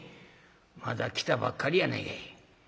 まだ来たばっかりやないか。